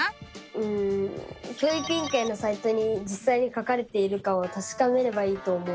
うん教育委員会のサイトにじっさいに書かれているかをたしかめればいいと思う！